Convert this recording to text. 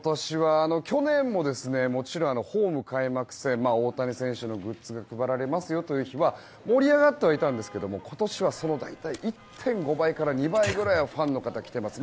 去年も、もちろんホーム開幕戦大谷選手のグッズが配られますよという日は盛り上がっていたんですが今年はその大体１．５倍から２倍くらいのファンが来ています。